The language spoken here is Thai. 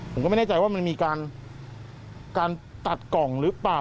ผมก็ไม่แน่ใจว่ามันมีการตัดกล่องหรือเปล่า